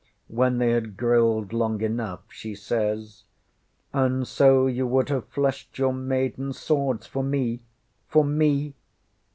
When they had grilled long enough, she says: ŌĆ£And so you would have fleshed your maiden swords for me for me?